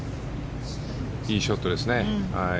いいショットですね。